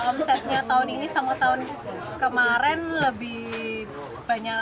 omsetnya tahun ini sama tahun kemarin lebih banyak